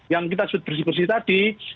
yang kita sebut bersih bersih tadi